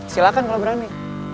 silahkan kalau berani